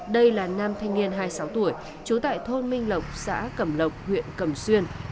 đây là nam thanh niên hai mươi sáu tuổi trú tại thôn minh lộc xã cẩm lộc huyện cầm xuyên